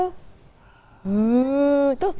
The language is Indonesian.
tuh siapa tuh